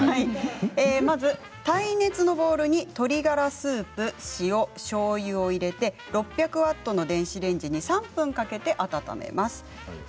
耐熱のボウルに鶏ガラスープ塩、しょうゆを入れて６００ワットの電子レンジに３分かけて温めます。